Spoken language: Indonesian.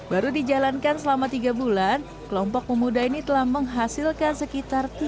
baru dijalankan selama tiga bulan kelompok pemuda ini telah menghasilkan sekitar